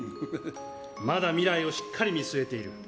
まだ未来をしっかり見据えている。